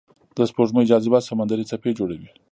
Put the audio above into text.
د سپوږمۍ جاذبه سمندري څپې جوړوي.